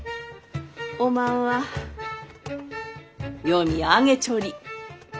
おまんは読み上げちょり。